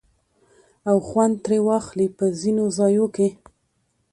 او خوند ترې واخلي په ځينو ځايو کې